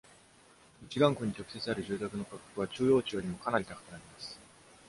ミシガン湖に直接ある住宅の価格は、中央値よりもかなり高くなります。